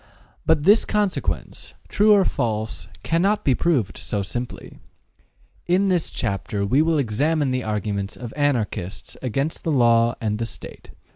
But this consequence, true or false, cannot be proved so simply. In this chapter we shall examine the arguments of Anarchists against law and the State.